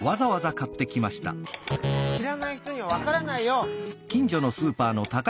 「しらない人にはわからないよ」。